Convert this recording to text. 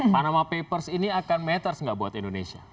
panama papers ini akan matters nggak buat indonesia